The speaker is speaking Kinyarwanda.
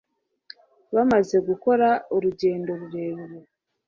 bamaze gukora urugendo rurerure